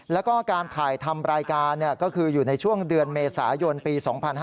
แล้วก็การถ่ายทำรายการก็คืออยู่ในช่วงเดือนเมษายนปี๒๕๕๙